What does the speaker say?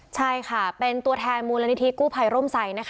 ใช่ค่ะเป็นตัวแทนมูลนิธิกู้ภัยร่มไซด